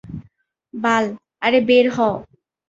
বাল, আরে বের হ।